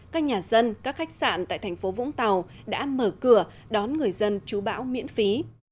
các nhà dân các khách sạn tại thành phố vũng tàu đã mở cửa đón người dân chú bão miễn phí